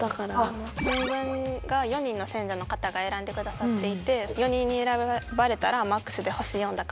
新聞が４人の選者の方が選んで下さっていて４人に選ばれたらマックスで星４だから。